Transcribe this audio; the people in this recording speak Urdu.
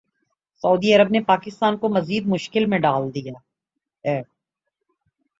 سعودی عرب نے پاکستان کو مزید مشکل میں ڈال دیا ہے